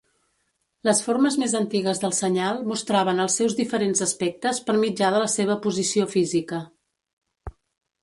Les formes més antigues del senyal mostraven els seus diferents aspectes per mitjà de la seva posició física.